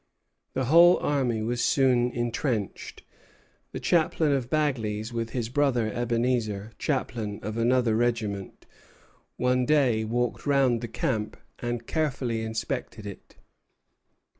The whole army was soon intrenched. The chaplain of Bagley's, with his brother Ebenezer, chaplain of another regiment, one day walked round the camp and carefully inspected it.